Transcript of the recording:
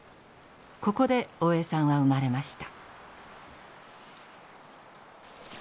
ここで大江さんは生まれました。